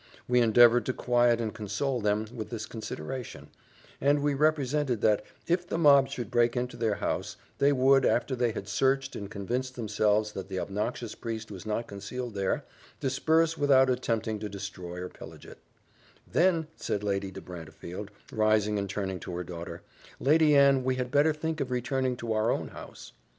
We endeavoured to quiet and console them with this consideration; and we represented that, if the mob should break into their house, they would, after they had searched and convinced themselves that the obnoxious priest was not concealed there, disperse without attempting to destroy or pillage it "Then," said Lady de Brantefield, rising, and turning to her daughter, "Lady Anne, we had better think of returning to our own house."